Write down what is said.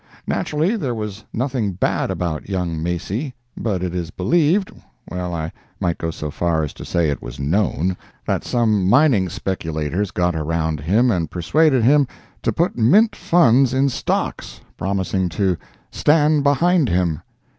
Naturally there was nothing bad about young Macy, but it is believed—well, I might go so far as to say it was known—that some mining speculators got around him and persuaded him to put mint funds in stocks, promising to "stand behind him."